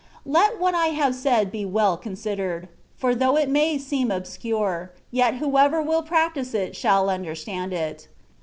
Let what I have said be well considered ; for though it may seem obscure, yet whoever will practise it shall understand it.